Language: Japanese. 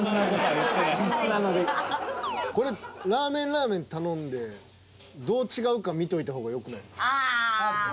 これラーメンラーメン頼んでどう違うか見といた方がよくないですか？